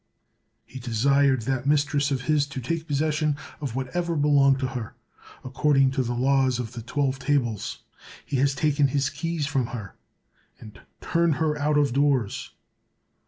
He desired that mistress of his to take possession of what ever belonged to her, according to the laws of the Twelve Tables. He has taken his keys from her, and turned her out of doors.